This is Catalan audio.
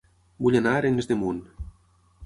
Vull anar a Arenys de Munt